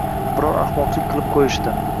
Biror ahmoqlik qilib qo‘yishdi